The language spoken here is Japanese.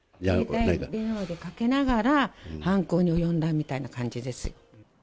携帯電話でかけながら、犯行に及んだみたいな感じです。